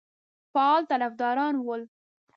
فعال طرفداران ول.